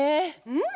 うん。